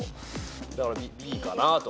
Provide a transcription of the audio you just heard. だからＢかなと。